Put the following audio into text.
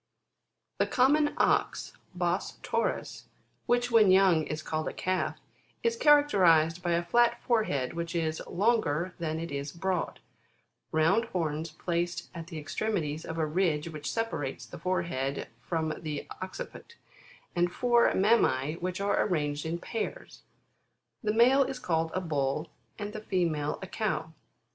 9. The Common Ox, Ens 7'ot/n/s which when young, is called a 6V///, is characterised by a flat forehead which is longer than it is broad ; round horns placed at the two extremities of a ridge which separates the forehead from the occiput, and four mammae which are arranged in pairs The male is called a Ball and the female a Cow.